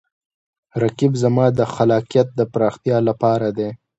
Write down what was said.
رقیب زما د خلاقیت د پراختیا لپاره دی